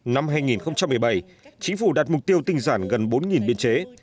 năm hai nghìn một mươi bảy chính phủ đặt mục tiêu tinh giản gần bốn biên chế